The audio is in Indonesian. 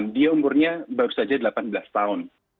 dia umurnya baru saja delapan belas tahun